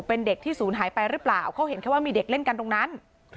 เป็นเด็กที่ศูนย์หายไปหรือเปล่าเขาเห็นแค่ว่ามีเด็กเล่นกันตรงนั้น